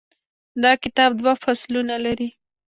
دا کتاب دوه فصلونه لري.